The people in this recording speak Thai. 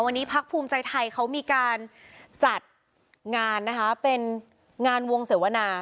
วันนี้พักภูมิใจไทยเขามีการจัดงานนะคะเป็นงานวงเสวนา